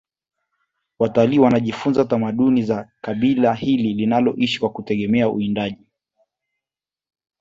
watalii wanajifunza tamaduni za kabila hili linaloishi kwa kutegemea uwindaji